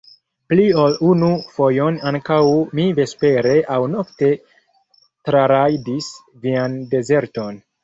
Pli ol unu fojon ankaŭ mi vespere aŭ nokte trarajdis vian dezerton!